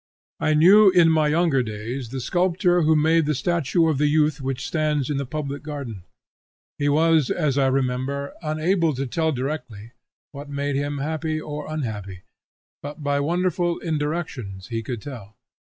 I knew in my younger days the sculptor who made the statue of the youth which stands in the public garden. He was, as I remember, unable to tell directly, what made him happy or unhappy, but by wonderful indirections he could tell.